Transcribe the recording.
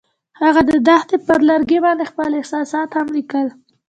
هغوی د دښته پر لرګي باندې خپل احساسات هم لیکل.